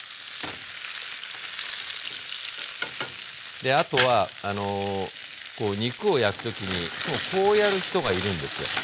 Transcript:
であとはこう肉を焼く時にいつもこうやる人がいるんですよ。